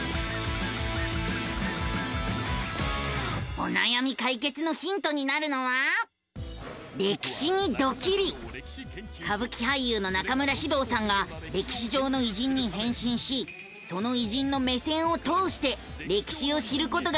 おなやみ解決のヒントになるのは歌舞伎俳優の中村獅童さんが歴史上の偉人に変身しその偉人の目線を通して歴史を知ることができる番組なのさ！